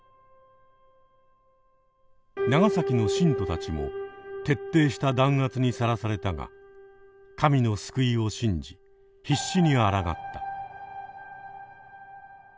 長崎の信徒たちも徹底した弾圧にさらされたが神の救いを信じ必死にあらがった。